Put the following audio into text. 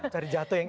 cari jatuh yang enak